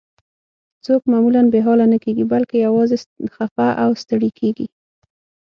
څوک معمولاً بې حاله نه کیږي، بلکې یوازې خفه او ستړي کیږي.